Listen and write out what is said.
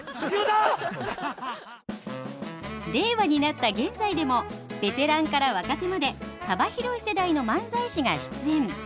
令和になった現在でもベテランから若手まで幅広い世代の漫才師が出演。